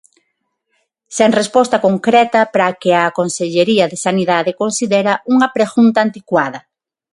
Sen resposta concreta para a que a Consellería de Sanidade considera unha pregunta "anticuada".